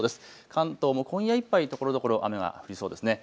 関東も今夜いっぱいところどころ雨が降りそうです。